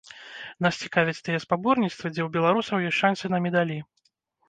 Нас цікавяць тыя спаборніцтвы, дзе ў беларусаў ёсць шанцы на медалі.